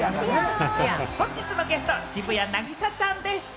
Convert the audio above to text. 本日のゲスト・渋谷凪咲さんでした。